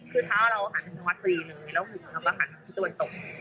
คือเท้าเราหันวันสี่เลยแล้วหึ้นแล้วก็หันวันตก